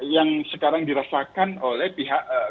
yang sekarang dirasakan oleh pihak